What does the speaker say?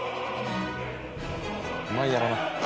うまいやろな。